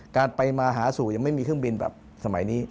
การไปมาหาสู่ยังไม่มีเครื่องบินแบบสมัยนี้